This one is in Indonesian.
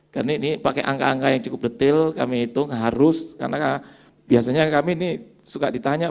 karena ini pakai angka angka yang cukup detail kami hitung harus karena biasanya kami ini suka ditanya